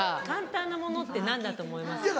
簡単なものって何だと思います？